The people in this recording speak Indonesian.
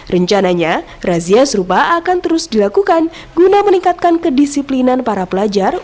rencananya razia serupa akan terus dilakukan guna meningkatkan kedisiplinan para pelajar